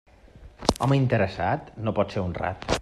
Home interessat, no pot ser honrat.